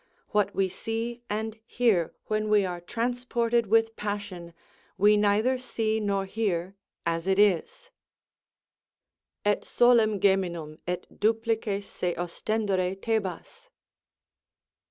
What we see and hear when we are transported with passion, we neither see nor hear as it is: Et solem geminum, et duplices se ostendere Thebas.